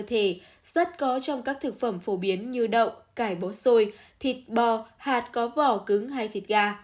cơ thể sắt có trong các thực phẩm phổ biến như đậu cải bó xôi thịt bò hạt có vỏ cứng hay thịt gà